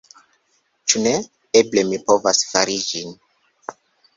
Ĉu ne? Eble mi povas fari ĝin.